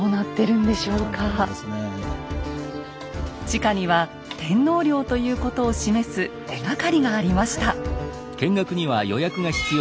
地下には天皇陵ということを示す手がかりがありました。